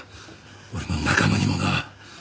俺の仲間にもな。